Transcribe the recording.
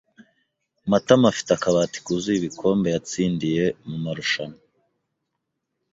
Matama afite akabati kuzuye ibikombe yatsindiye mumarushanwa.